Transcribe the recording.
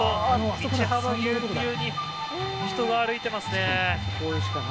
道幅ぎゅうぎゅうに人が歩いてますね。